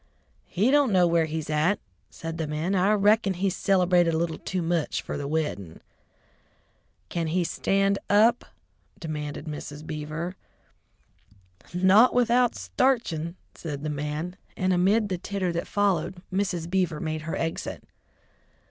"He don't know where he's at," said the man. "I rickon he cilebrated a little too much fer the weddin'." "Can he stand up?" demanded Mrs. Beaver. "Not without starchin'," said the man, and amid the titter that followed, Mrs. Beaver made her exit.